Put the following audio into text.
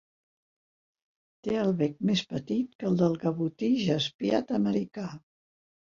Té el bec més petit que el del gavotí jaspiat americà.